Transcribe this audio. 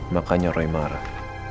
makanya roy marah